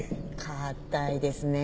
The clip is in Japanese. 堅いですね。